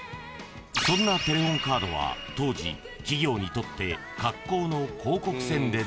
［そんなテレホンカードは当時企業にとって格好の広告宣伝の場］